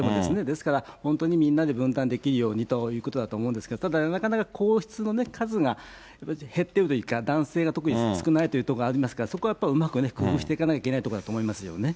ですから、本当にみんなで分担できるようにということだと思うんですけれども、ただ、皇室の数が減っているというか、男性が特に少ないというところがありますから、そこはうまく工夫していかなければいけないところだと思いますね。